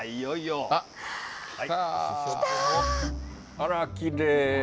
あら、きれい。